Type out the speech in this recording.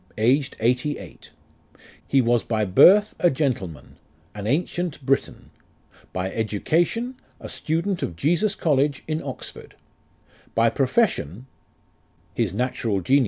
Aged eighty eight. He was by birth a gentleman, an ancient Briton ; By education, a student of Jesus College in Oxford ; By profession His natural genius was too volatile for any.